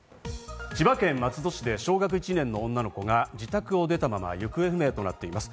千葉県松戸市で小学１年の女の子が自宅を出たまま行方不明となっています。